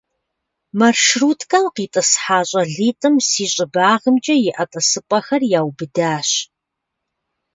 Маршруткэм къитӀысхьа щӀалитӀым си щӀыбагъымкӀэ иӀэ тӀысыпӀэхэр яубыдащ.